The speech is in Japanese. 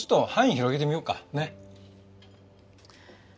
ねっ。